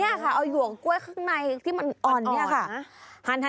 นี่ค่ะเอาหยวงกล้วยข้างในที่มันอ่อนเนี่ยค่ะ